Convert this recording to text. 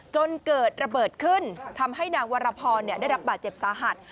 จนเกิดระเบิดขึ้นทำให้นางวรพรได้รับบาดเจ็บสาหัส